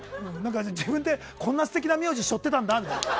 自分で、こんな素敵な名字を背負ってたんだみたいな。